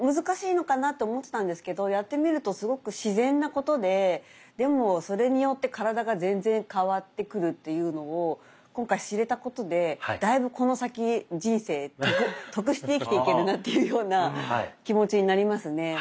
難しいのかなと思ってたんですけどやってみるとすごく自然なことででもそれによって体が全然変わってくるというのを今回知れたことでだいぶこの先人生得して生きていけるなというような気持ちになりますね。